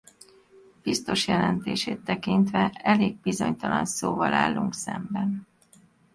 Biztos jelentését tekintve elég bizonytalan szóval állunk szemben.